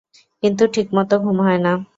কিন্তু ঠিকমত ঘুম হয় না।